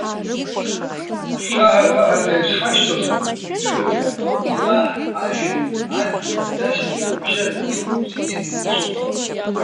Хьаҳәа-ԥаҳәада иазхашәҵозар, ижәдыруазааит, Аллаҳ, ажәҩанқәеи адгьыли, насгьы рыбжьара иҟоу зегьы дрынцәоуп.